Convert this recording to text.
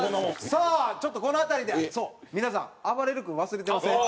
さあちょっとこの辺りでそう皆さんあばれる君忘れてません？